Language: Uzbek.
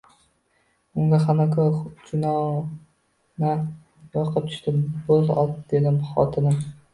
Unga Xanako chunonam yoqib tushdi, bo`z ot, dedi xotinim